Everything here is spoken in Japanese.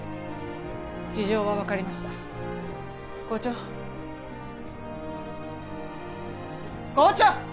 事情は分かりました校長校長！